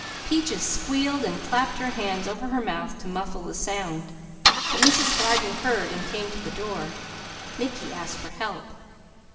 Peaches squealed and clapped her hand over her mouth to muffle the sound; but Mrs. Harding heard and came to the door. Mickey asked for help.